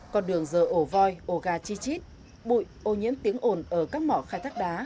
con đường giờ ổ voi ổ gà chi chít bụi ô nhiễm tiếng ồn ở các mỏ khai thác đá